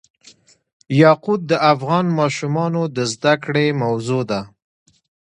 یاقوت د افغان ماشومانو د زده کړې موضوع ده.